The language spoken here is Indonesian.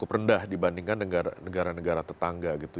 cukup rendah dibandingkan negara negara tetangga gitu